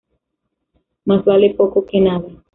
Más vale poco que nada